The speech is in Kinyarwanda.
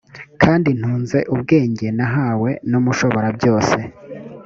kandi ntunze ubwenge nahawe n’umushoborabyose.